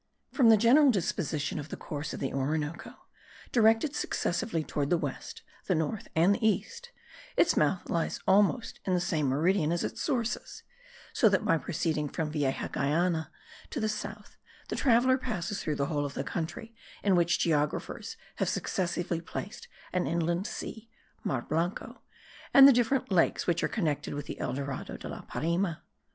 From the general disposition of the course of the Orinoco, directed successively towards the west, the north, and the east, its mouth lies almost in the same meridian as its sources: so that by proceeding from Vieja Guyana to the south the traveller passes through the whole of the country in which geographers have successively placed an inland sea (Mar Blanco), and the different lakes which are connected with the El Dorado de la Parime.